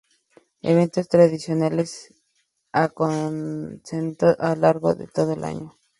Eventos tradicionales acontecen a lo largo de todo el año.